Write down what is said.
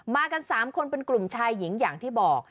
กัน๓คนเป็นกลุ่มชายหญิงอย่างที่บอก